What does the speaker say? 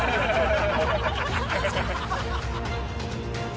ハハハ